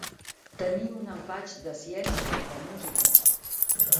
Tenir un empatx de ciència, de música.